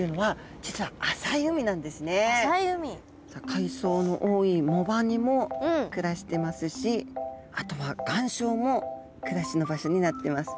海藻の多い藻場にも暮らしてますしあとは岩礁も暮らしの場所になってます。